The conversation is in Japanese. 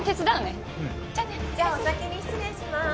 じゃあお先に失礼します。